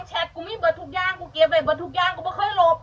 แป๊บกูมีเบิดทุกอย่างกูเก็บไว้เบิดทุกอย่างกูไม่ค่อยหลบ